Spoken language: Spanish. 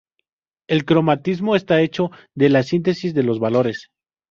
El cromatismo está hecho de la síntesis de los valores.